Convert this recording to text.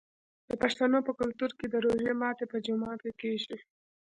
د پښتنو په کلتور کې د روژې ماتی په جومات کې کیږي.